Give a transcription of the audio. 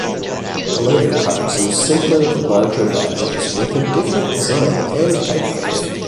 The later cars use simpler, larger badges with a different design and typeface.